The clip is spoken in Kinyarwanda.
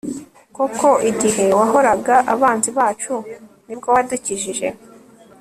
koko, igihe wahoraga abanzi bacu, ni bwo wadukijije